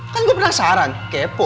kan gue penasaran kepo